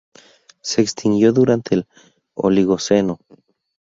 Se extinguió durante el Oligoceno.